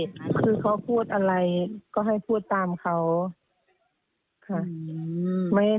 คือเขาพูดอะไรก็ให้พูดตามเขาค่ะ